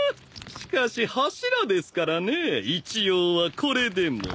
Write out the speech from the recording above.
しかし柱ですからねぇ一応はこれでも。